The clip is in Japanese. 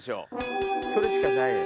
それしかないやん。